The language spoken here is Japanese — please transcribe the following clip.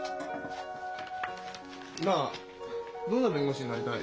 なあどんな弁護士になりたい？